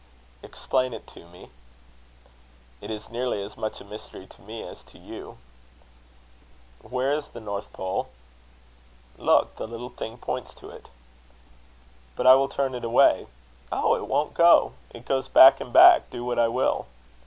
"Explain it to me." "It is nearly as much a mystery to me as to you." "Where is the North Pole?" "Look, the little thing points to it." "But I will turn it away. Oh! it won't go. It goes back and back, do what I will."